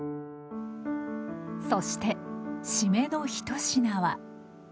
そして締めの一品は。